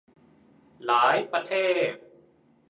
หลายประเทศ